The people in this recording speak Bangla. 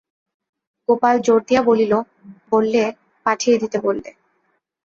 গোপাল জোর দিয়া বলিল, বললে, পাঠিয়ে দিতে বললে।